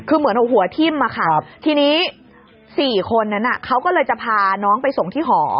คือเหมือนหัวทิ่มอะค่ะทีนี้๔คนนั้นเขาก็เลยจะพาน้องไปส่งที่หอ